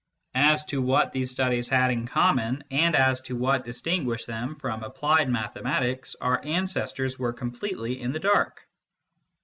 As to what these studies had in common, and as to what distinguished them from applied mathematics, our ancestors were completely in the dark.